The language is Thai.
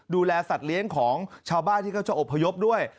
ดูแลสัตว์เลี้ยงของชาวบ้านที่เขาจะอบพยพด้วย